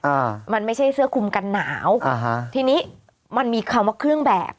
อ่ามันไม่ใช่เสื้อคุมกันหนาวอ่าฮะทีนี้มันมีคำว่าเครื่องแบบ